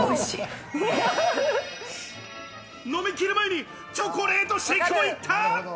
飲みきる前にチョコレートシェイクも行った！